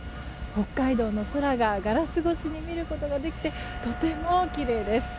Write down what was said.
北海道の空がガラス越しに見ることができてとてもきれいです。